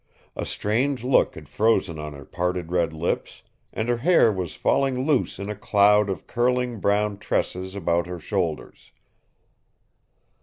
A strange look had frozen on her parted red lips, and her hair was falling loose in a cloud of curling brown tresses about her shoulders.